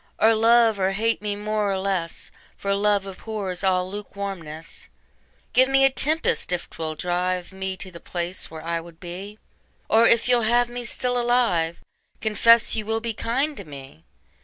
Or love or hate me more or less, 5 For love abhors all lukewarmness. Give me a tempest if 'twill drive Me to the place where I would be; Or if you'll have me still alive, Confess you will be kind to me.